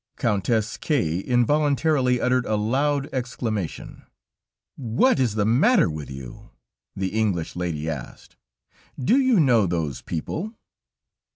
Countess K involuntarily uttered a loud exclamation. "What is the matter with you?" the English lady asked. "Do you know those people?"